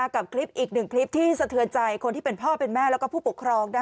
กับคลิปอีกหนึ่งคลิปที่สะเทือนใจคนที่เป็นพ่อเป็นแม่แล้วก็ผู้ปกครอง